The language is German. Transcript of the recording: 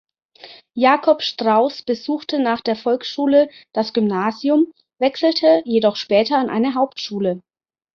Jakob Strauß besuchte nach der Volksschule das Gymnasium, wechselte jedoch später an eine Hauptschule.